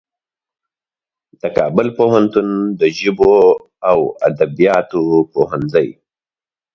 د کابل پوهنتون د ژبو او ادبیاتو پوهنځي